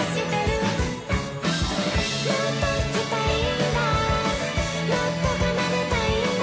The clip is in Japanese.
「もっと弾きたいんだもっと奏でたいんだ」